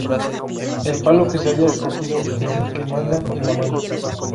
El palo que se haya escogido es el que manda en la mano.